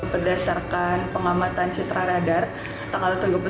berdasarkan pengamatan citra radar tanggal tiga puluh satu oktober dua ribu dua puluh satu